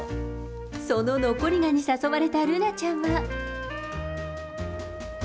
その残りがに誘われたルナちゃんは。